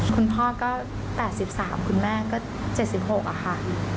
คุณพ่อก็๘๓คุณแม่ก็๗๖อะค่ะ